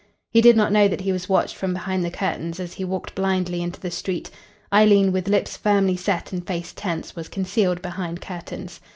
He did not know that he was watched from behind the curtains as he walked blindly into the street. Eileen, with lips firmly set and face tense, was concealed behind curtains.